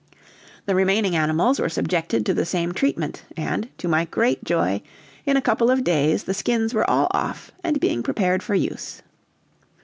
The remaining animals were subjected to the same treatment, and, to my great joy, in a couple of days the skins were all off, and being prepared for use.